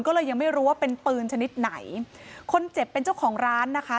ก็เลยยังไม่รู้ว่าเป็นปืนชนิดไหนคนเจ็บเป็นเจ้าของร้านนะคะ